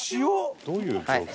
どういう状況？